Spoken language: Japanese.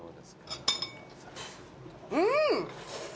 うん！